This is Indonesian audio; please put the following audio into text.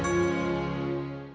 ya gue gak tau